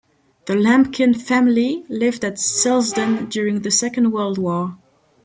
The Lampkin family lived at Silsden during the Second World War.